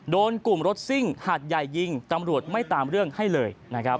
โดนกลุ่มรถซิ่งหาดใหญ่ยิงตำรวจไม่ตามเรื่องให้เลยนะครับ